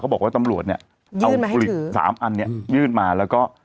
บอกว่าตำรวจเนี่ยเอาผลิต๓อันเนี่ยยื่นมาแล้วก็